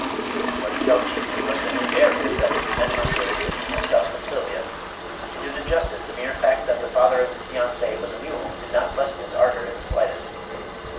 What he felt chiefly was the new barrier that this event must raise between himself and Sylvia; to do him justice, the mere fact that the father of his fiancée was a mule did not lessen his ardour in the slightest.